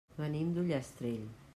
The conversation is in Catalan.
Venim d'Ullastrell.